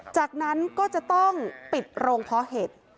จากนั้นก็จะต้องปิดโรงเพาะเห็ด